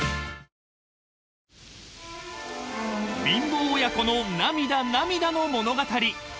［貧乏親子の涙涙の物語］